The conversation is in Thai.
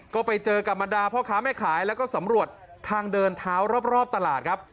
ก็ไปเจอกับบรรดาพ่อค้าแม่ขายแล้วก็สำรวจทางเดินเท้ารอบตลาดครับ